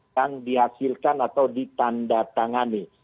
yang dihasilkan atau ditanda tangani